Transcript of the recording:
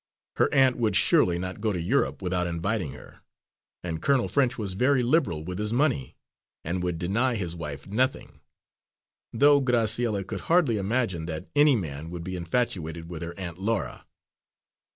Her aunt would surely not go to Europe without inviting her, and Colonel French was very liberal with his money, and would deny his wife nothing, though Graciella could hardly imagine that any man would be infatuated with her Aunt Laura.